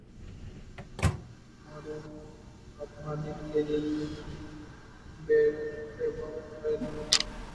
پاکستانی نژاد معروف شیف فاطمہ علی کیلئے جیمز بیئرڈ ایوارڈ کا اعلان